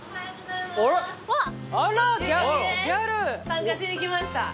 参加しに来ました。